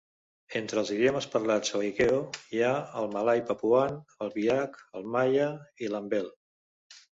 Entre els idiomes parlats a Waigeo hi ha el malai papuan, el biak, el ma'ya i l'ambel.